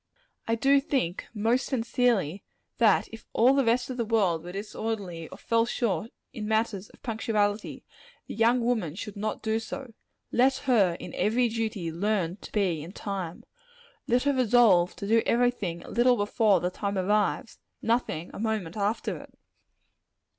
I do think, most sincerely, that if all the rest of the world were disorderly, or fell short in matters of punctuality, the young woman should not do so. Let her, in every duty, learn to be in time. Let her resolve to do every thing a little before the time arrives; nothing, a moment after it.